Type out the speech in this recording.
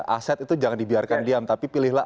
aset itu jangan dibiarkan diam tapi pilihlah